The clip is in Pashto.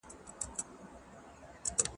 داسي وخت ته ګورمه چي زه ټوله در ګورمه